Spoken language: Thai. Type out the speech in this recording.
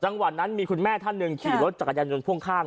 จังหวัดนั้นมีคุณแม่ท่านหนึ่งขี่รถจักรยานยนต์พ่วงข้าง